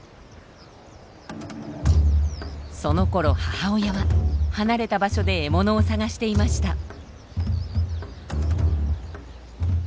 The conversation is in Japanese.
そのころ母親は離れた場所で獲物を探していました。